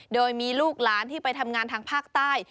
โดยมีลูกหลานที่ไปทำงานทางภาคใต้